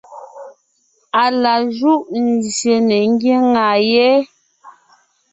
Á la júʼ nzsyè ne ńgyáŋa yé,